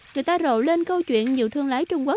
người ta rộ lên câu chuyện nhiều thương lái trung quốc